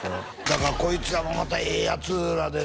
だからこいつらもまたええやつらでね